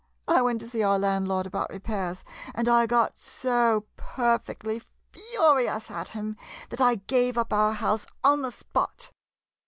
I went to see our landlord about repairs, and I got so per fectly furious at him, that I gave up our house on the spot.